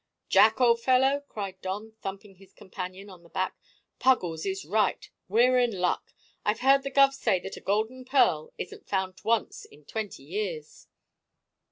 "Jack, old fellow," cried Don, thumping his companion on the back, "Puggles is right; we're in luck. I've heard the guv say that a golden pearl isn't found once in twenty years.